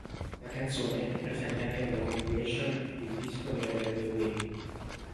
La canzone è presente anche nella compilation "El disco de Rebelde Way".